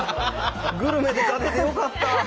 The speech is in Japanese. グルメで勝ててよかった。